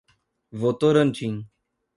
Votorantim